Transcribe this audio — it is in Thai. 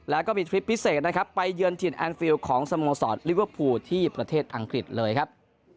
แล้วก็มีทริปพิเศษนะครับไปเยือนถิ่นแอนดฟิลของสโมสรลิเวอร์พูลที่ประเทศอังกฤษเลยครับ